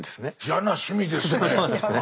嫌な趣味ですね。